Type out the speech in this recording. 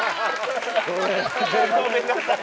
ごめんなさい。